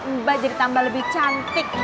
mbah jadi tambah lebih cantik